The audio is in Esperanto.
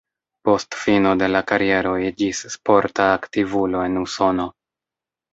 Post fino de la kariero iĝis sporta aktivulo en Usono.